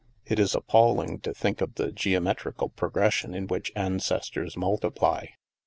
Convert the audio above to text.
It is appalling to think of the geometri cal progression in which ancestors multiply.